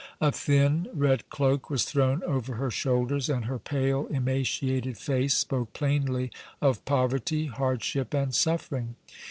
A thin red cloak was thrown over her shoulders, and her pale, emaciated face spoke plainly of poverty, hardship and suffering.